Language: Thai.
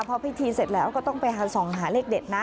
พอพิธีเสร็จแล้วก็ต้องไปส่องหาเลขเด็ดนะ